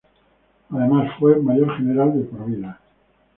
Además fue mayor general de por vida.